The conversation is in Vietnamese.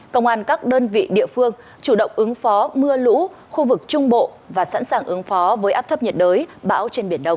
công an các đơn vị địa phương chủ động ứng phó mưa lũ khu vực trung bộ và sẵn sàng ứng phó với áp thấp nhiệt đới bão trên biển đông